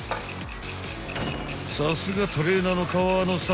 ［さすがトレーナーの川野さん］